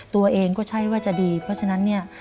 ตัวเองก็ใช่ว่าจะดีเพราะฉะนั้นเนี่ย